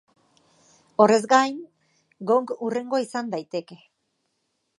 Horrez gain, Gong hurrengoa izan daiteke.